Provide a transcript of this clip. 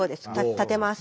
立てます。